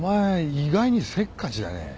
意外にせっかちだね。